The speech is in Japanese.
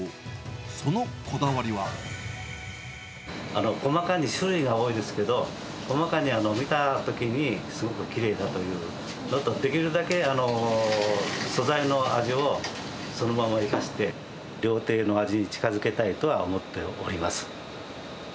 そのこだ細かに種類が多いですけど、こまかに見たときにすごくきれいだというのと、あとできるだけ素材の味をそのまま生かして、料亭の味に近づけたいとは思っております。